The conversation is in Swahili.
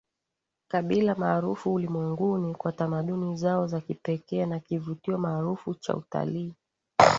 kabila maarufu ulimwenguni kwa tamaduni zao za kipekee na kivutio maarufu cha utalii